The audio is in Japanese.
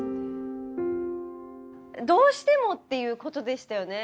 どうしてもっていうことでしたよね？